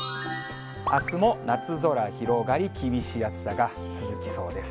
あすも夏空広がり厳しい暑さが続きそうです。